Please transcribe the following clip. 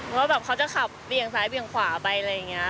เพราะว่าเขาจะขับเปลี่ยงซ้ายเปลี่ยงขวาไปอะไรอย่างนี้